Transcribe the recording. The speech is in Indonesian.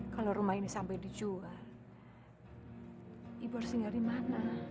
kalau rumah ini sampai dijual ibu harusnya di mana